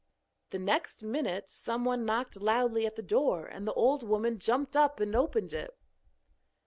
The next minute someone knocked loudly at the door, and the old woman jumped up and opened it.